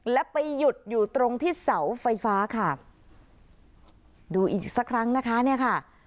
และไปหยุดอยู่ตรงที่เสาไฟฟ้าค่ะดูอีกสักครั้งนะคะเนี่ยค่ะ